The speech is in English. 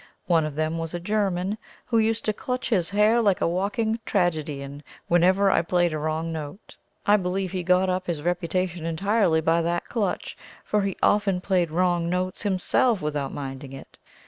One of them was a German, who used to clutch his hair like a walking tragedian whenever I played a wrong note. I believe he got up his reputation entirely by that clutch, for he often played wrong notes himself without minding it.